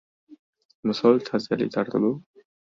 Misoli ta’ziyali tarzda gap boshladi.